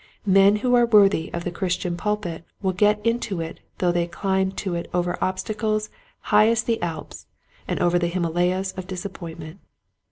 Men who are worthy of the Christian pulpit will get into it though they climb to it over obstacles high as the Alps, and over Himalayas of disappointment.